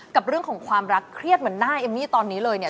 กับเรื่องของความรักเครียดเหมือนหน้าเอมมี่ตอนนี้เลยเนี่ย